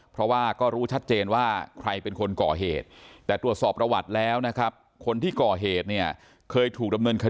เพราะว่าก็รู้ชัดเจนว่าใครเป็นคนก่อเหตุ